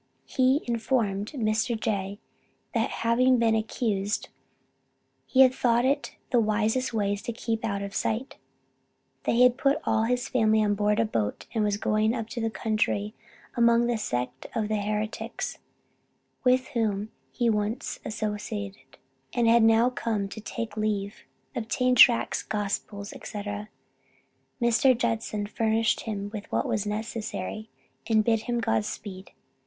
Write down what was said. He informed Mr. J. that having been accused, he had thought it the wisest way to keep out of sight; that he had put all his family on board a boat, and was going up the country among the sect of heretics with whom he once associated, and had now come to take leave, obtain tracts, gospels, &c. Mr. Judson furnished him with what was necessary, and bid him God speed.